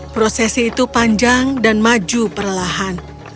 prosesi itu panjang dan maju perlahan